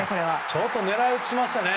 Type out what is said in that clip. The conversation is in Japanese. ちょっと狙い打ちしましたね。